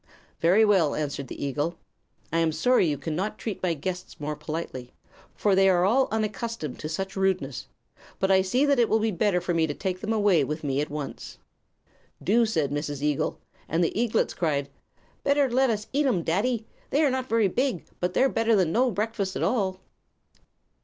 "Very well," answered the eagle. "I am sorry you cannot treat my guests more politely, for they are all unaccustomed to such rudeness. But I see that it will be better for me to take them away with me at once." "Do," said Mrs. Eagle; and the eaglets cried: "Better let us eat 'em, daddy. They are not very big, but they're better than no breakfast at all."